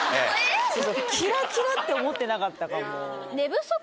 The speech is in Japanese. キラキラって思ってなかったかも。